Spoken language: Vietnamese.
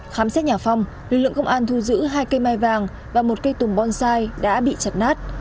khám xét nhà phong lực lượng công an thu giữ hai cây mai vàng và một cây tùng bonsai đã bị chặt nát